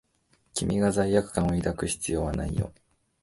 君が罪悪感を抱く必要はないよ。